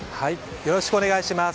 よろしくお願いします。